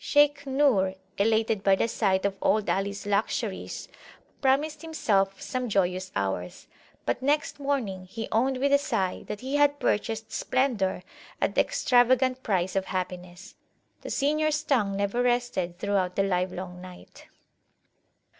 Shaykh Nur, elated by the sight of old Alis luxuries, promised himself some joyous hours; but next morning he owned with a sigh that he had purchased splendour at the extravagant price of happinessthe seniors tongue never rested throughout the livelong night.